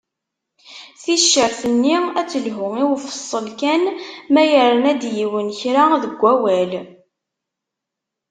Ticcert-nni ad telhu i ufeṣṣel kan ma yerna-d yiwen kra deg awal.